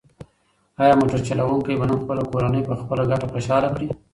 ایا موټر چلونکی به نن خپله کورنۍ په خپله ګټه خوشحاله کړي؟